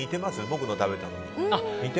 僕の食べたのに。